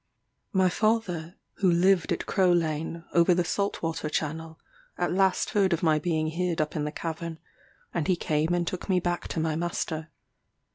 My father, who lived at Crow Lane, over the salt water channel, at last heard of my being hid up in the cavern, and he came and took me back to my master.